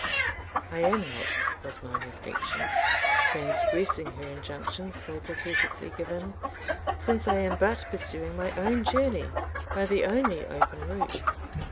"I am not," was my reflection, "transgressing her injunction so pathetically given, since I am but pursuing my own journey by the only open route.